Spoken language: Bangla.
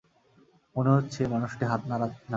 মনে হচ্ছে মানুষটি হাত নাড়ছে।